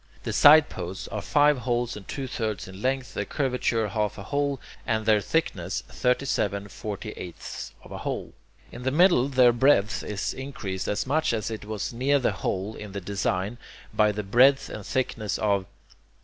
The sideposts are five holes and two thirds in length, their curvature half a hole, and their thickness thirty seven forty eighths of a hole. In the middle their breadth is increased as much as it was near the hole in the design, by the breadth and thickness of...